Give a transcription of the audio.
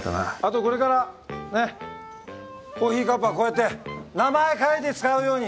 後これからねっコーヒーカップはこうやって名前書いて使うように。